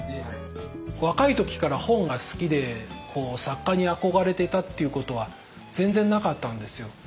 若い時から本が好きで作家に憧れてたっていうことは全然なかったんですよ。